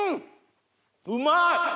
うまい！